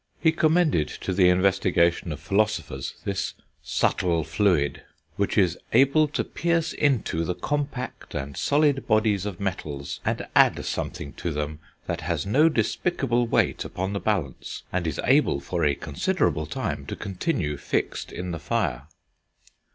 He commended to the investigation of philosophers this "subtil fluid," which is "able to pierce into the compact and solid bodies of metals, and add something to them that has no despicable weight upon the balance, and is able for a considerable time to continue fixed in the fire."